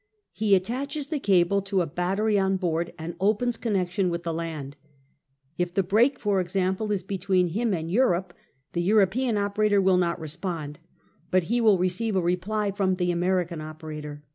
He attaches the cable to a battery on board, and opens connection with the land. If the break, for example, is between him and Europe, the European operator will not respond, but he will receive a reply from the American operator.